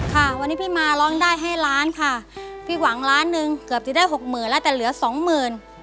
ค่ะวันนี้พี่มาร้องได้ให้ล้านค่ะพี่หวังล้านหนึ่งเกือบจะได้หกหมื่นแล้วแต่เหลือสองหมื่น